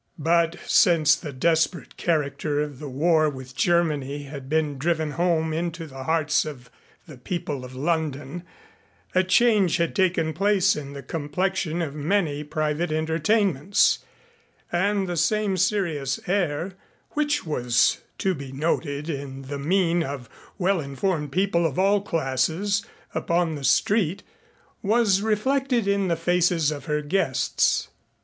But since the desperate character of the war with Germany had been driven home into the hearts of the people of London, a change had taken place in the complexion of many private entertainments and the same serious air which was to be noted in the mien of well informed people of all classes upon the street was reflected in the faces of her guests.